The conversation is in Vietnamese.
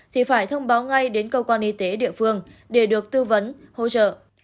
thì phải thông báo ngay đến cơ quan y tế địa phương để được tư vấn hỗ trợ